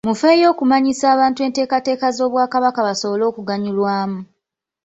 Mufeeyo okumanyisa abantu enteekateeka z'Obwakabaka basobole okuganyulwamu.